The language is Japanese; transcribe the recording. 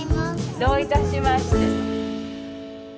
どういたしまして。